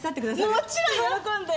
もちろん喜んで！